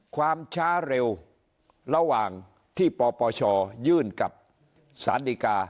ความช้าเร็วระหว่างที่ปปชยื่นกับสารดีกา